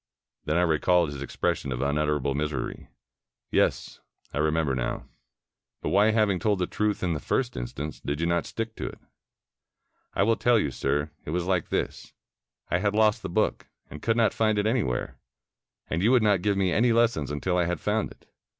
Then I recalled his expression of unutterable misery. "Yes, I remember now. But why, having told the truth in the first instance, did you not stick to it?" "I will tell you, sir. It was like this. I had lost the book, and could not find it anywhere, and you would not give me any lessons until I had found it.